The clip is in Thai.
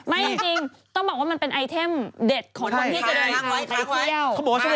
ไม่จริงต้องบอกว่ามันเป็นไอเทมเด็ดของคนที่จะดู